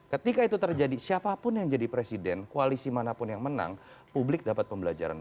ketika itu terjadi siapapun yang jadi presiden koalisi manapun yang menang publik dapat pembelajaran